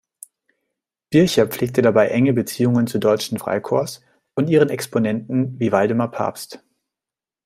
Bircher pflegte dabei enge Beziehungen zu deutschen Freikorps und ihren Exponenten wie Waldemar Pabst.